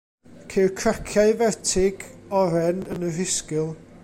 Ceir craciau fertig, oren yn y rhisgl.